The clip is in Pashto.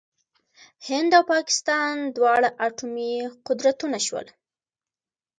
هند او پاکستان دواړه اټومي قدرتونه شول.